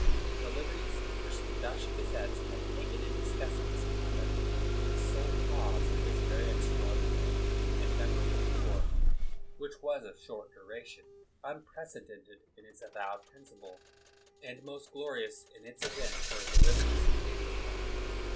The liberties which the Dutch gazettes had taken in discussing his conduct were the sole cause of this very extraordinary and memorable war, which was of short duration, unprecedented in its avowed principle, and most glorious in its event for the liberties of mankind.